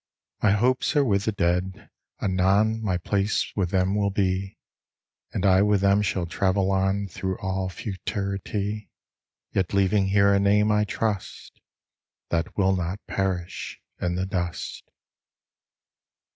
My hopes are with the Dead; anon My place with them will be, And I with them shall travel on Through all Futurity; Yet leaving here a name, I trust, That will not perish in the dust.